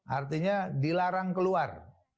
artinya dilarang keluar